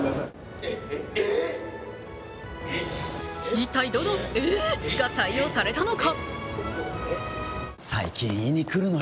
一体どの「え？」が採用されたのか。